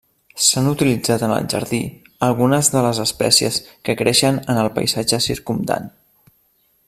S'han utilitzat en el jardí algunes de les espècies que creixen en el paisatge circumdant.